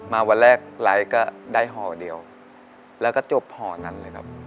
วันแรกไลฟ์ก็ได้ห่อเดียวแล้วก็จบห่อนั้นเลยครับ